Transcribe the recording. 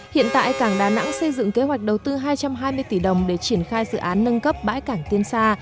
hiện tại cảng đà nẵng xây dựng kế hoạch đầu tư hai trăm hai mươi tỷ đồng để triển khai dự án nâng cấp bãi cảng tiên sa